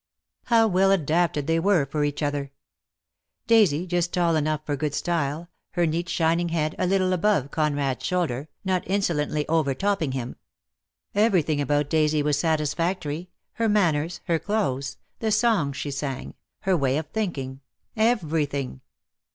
How well adapted they were for each other; Daisy just tall enough for good style, her neat shining head a little above Conrad's shoulder, not insolently over topping him. l6o DEAD L0\^ HAS CHAINS. Everything about Daisy was satisfactory, her manners, her clothes, the songs she sang, her way of thinking — everything.